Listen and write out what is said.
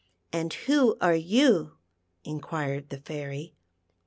" And who are you ?" inquired the Fairy.